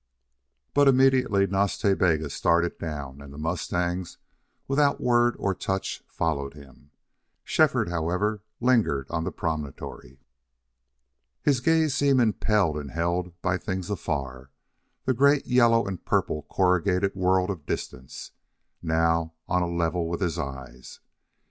But immediately Nas Ta Bega started down; and the mustangs, without word or touch, followed him. Shefford, however, lingered on the promontory. His gaze seemed impelled and held by things afar the great yellow and purple corrugated world of distance, now on a level with his eyes.